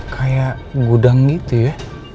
kayak gudang gitu ya